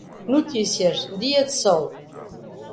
Notícias dia de sol